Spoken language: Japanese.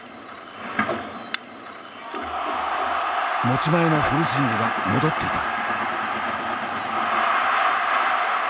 持ち前のフルスイングが戻っていた。